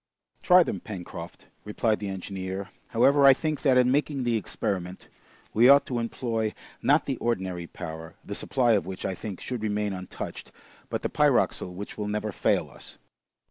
"Try them, Pencroft," replied the engineer. "However, I think that in making the experiment, we ought to employ, not the ordinary powder, the supply of which, I think, should remain untouched, but the pyroxyle which will never fail us."